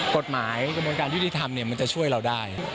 กระบวนการยุติธรรมมันจะช่วยเราได้